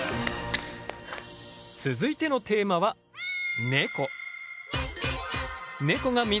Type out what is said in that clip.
続いてのテーマはネコ。